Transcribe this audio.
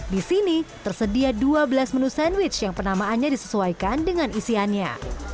di sini tersedia dua belas menu sandwich yang penamaannya disesuaikan dengan isiannya